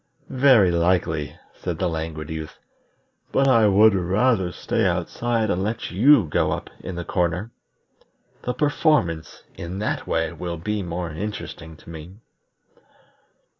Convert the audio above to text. "Very likely," said the Languid Youth; "but I would rather stay outside and let you go up in the corner. The performance in that way will be more interesting to me."